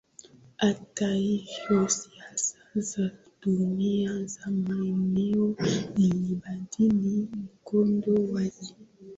hata hivyo siasa za dunia za maeneo zilibadili mkondo wake